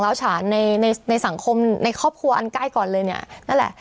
แล้วฉานในในสังคมในครอบครัวอันใกล้ก่อนเลยเนี่ยนั่นแหละ